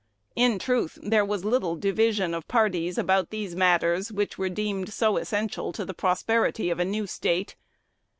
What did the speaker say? In truth, there was little division of parties about these matters which were deemed so essential to the prosperity of a new State.